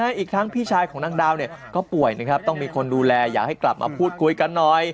อีกทั้งพี่ชายของนางดาวเนี่ยก็ป่วยนะครับต้องมีคนดูแลอยากให้กลับมาพูดคุยกันหน่อย